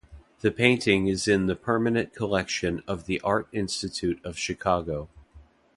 The painting is in the permanent collection of the Art Institute of Chicago.